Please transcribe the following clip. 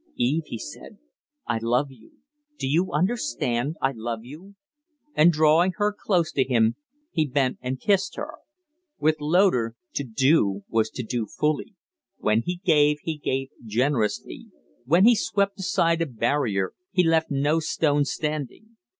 "Eve," he said, "I love you. Do you understand I love you." And drawing her close to him he bent and kissed her. With Loder, to do was to do fully. When he gave, he gave generously; when he swept aside a barrier he left no stone standing.